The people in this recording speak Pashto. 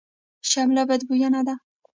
شمله بدبویه ده.